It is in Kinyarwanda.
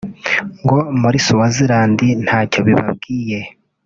ngo muri Swaziland ntacyo bibabwiye